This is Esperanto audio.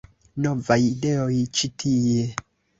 - Novaj ideoj ĉi tie